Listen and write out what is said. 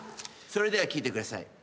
それでは聴いてください。